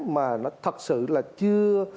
mà nó thật sự là chưa